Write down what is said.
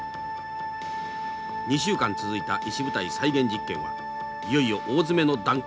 ２週間続いた石舞台再現実験はいよいよ大詰めの段階を迎えました。